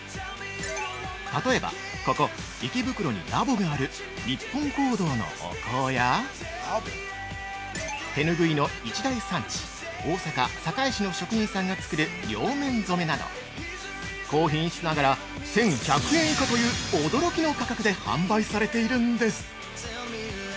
例えば、ここ池袋にラボがある「日本香堂」のお香や手ぬぐいの一大産地、大阪・堺市の職人さんが作る両面染めなど高品質ながら１１００円以下という驚きの価格で販売されているんです。